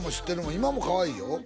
今もかわいいよ